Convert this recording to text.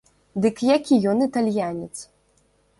Дык які ён італьянец?